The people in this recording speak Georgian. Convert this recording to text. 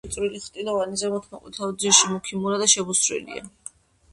ფეხი წვრილი, ხრტილოვანი, ზემოთ მოყვითალო, ძირში მუქი მურა და შებუსვილია.